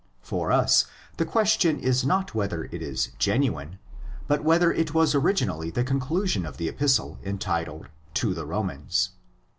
For us the question is not whether it is " genuine,'' but whether it was originally the conclusion of the Epistle entitled 'to the Romans."